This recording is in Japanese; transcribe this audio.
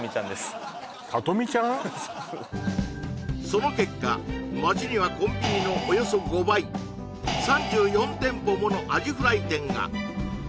その結果町にはコンビニのおよそ５倍３４店舗ものアジフライ店が！